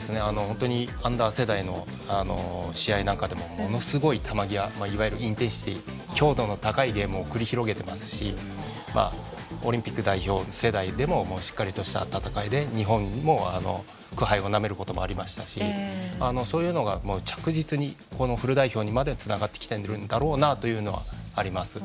本当にアンダー世代の試合の中でもものすごい球際いわゆるインテンシティー強度の高いゲームを繰り広げていますしオリンピック代表世代でもしっかりとした戦いで日本も苦杯をなめることもありましたしそういうのが着実にフル代表にまでつながってきているんだろうなというのはあります。